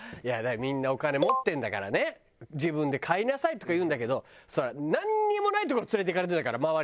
みんな「お金持ってるんだからね自分で買いなさい」とか言うんだけどなんにもない所連れていかれてんだから周りに。